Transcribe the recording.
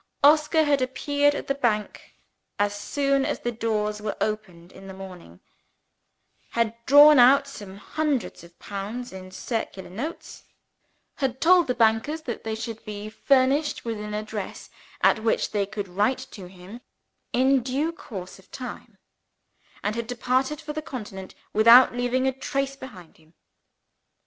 Oscar had appeared at the bank as soon as the doors were opened in the morning; had drawn out some hundreds of pounds in circular notes; had told the bankers that they should be furnished with an address at which they could write to him, in due course of time; and had departed for the Continent, without leaving a trace behind him.